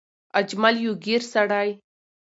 اجمل يو ګېر سړی